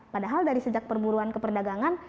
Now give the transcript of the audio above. padahal dari sejak perburuan ke perdagangan